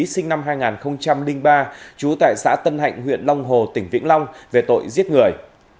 sinh năm hai nghìn ba trú tại xã tân hạnh huyện long hồ tỉnh vĩnh long về tội giết người